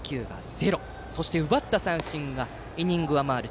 ゼロ奪った三振がイニングを上回る